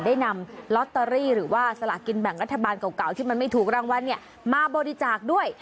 ได้นำลอตเตอรี่หรือว่าสลากินแบ่งรัฐบาลเก่าที่มันไม่ถูกรางวัลเนี่ยมาบริจาคด้วย